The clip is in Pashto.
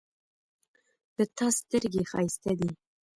د تا سترګې ښایسته دي